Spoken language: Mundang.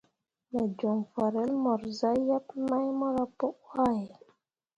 Me joŋ farel mor zah yeb mai mora pǝ wahe.